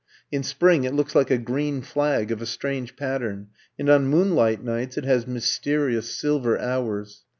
In spring, it looks like a green flag of a strange pattern, and on moonlight nights, it has mysterious, silver hours.